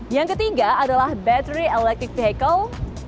yang ketiga adalah battery electric vehicle